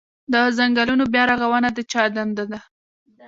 د ځنګلونو بیا رغونه د چا دنده ده؟